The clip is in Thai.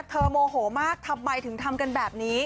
โมโหมากทำไมถึงทำกันแบบนี้